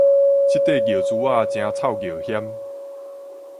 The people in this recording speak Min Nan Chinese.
這塊尿苴仔誠臭尿薟